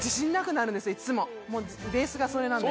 いつもベースがそれなんで。